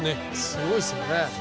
すごいですよね。